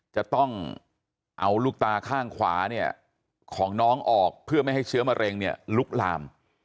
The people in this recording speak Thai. จะต้องเอาลูกตาข้างขวาเนี่ยของน้องออกเพื่อไม่ให้เชื้อมะเร็งเนี่ยลุกลาม